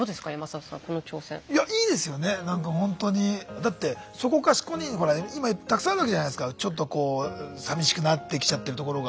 だってそこかしこにほら今たくさんあるわけじゃないすかちょっとこうさみしくなってきちゃってるところが。